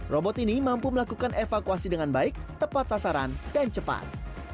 robot ini mampu melakukan evakuasi dengan baik tepat sasaran dan cepat